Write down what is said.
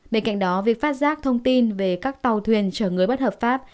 bên cạnh đó việc phát giác thông tin về các tàu thuyền chở người bất hợp pháp